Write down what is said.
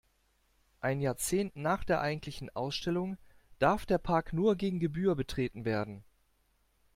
Ein Jahrzehnt nach der eigentlichen Ausstellung darf der Park nur gegen Gebühr betreten werden.